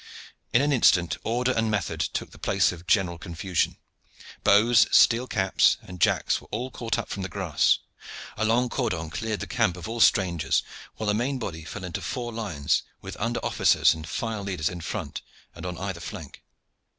In an instant order and method took the place of general confusion. Bows, steel caps, and jacks were caught up from the grass. A long cordon cleared the camp of all strangers, while the main body fell into four lines with under officers and file leaders in front and on either flank.